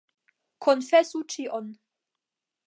Konfesu ĉion.